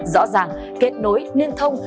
rõ ràng kết nối liên thông